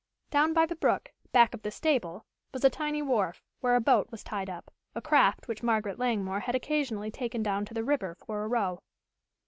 Down by the brook, back of the stable, was a tiny wharf, where a boat was tied up, a craft which Margaret Langmore had occasionally taken down to the river for a row.